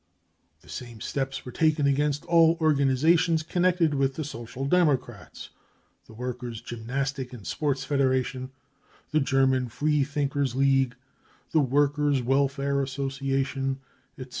The same steps were taken against all organisations con nected with the Social Democrats : the Workers' Gymnas tic and Sports Federation, the German Freethinkers 5 League, the Workers 5 Welfare Association, etc.